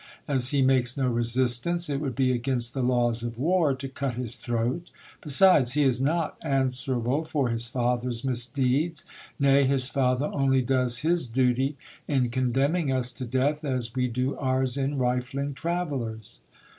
As he makes no resistance, it would be against the laws of war to cut his throat. Besides, he is not answerable for his father's misdeeds ; nay, his father only does his duty in condemning us to death, as we do ours in rifling travellers.